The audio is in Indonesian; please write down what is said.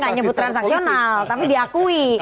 saya tidak menyebut transaksional tapi diakui